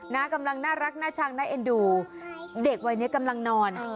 กำลังน่ารักน่าชังน่าเอ็นดูเด็กวัยนี้กำลังนอน